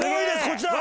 こちら！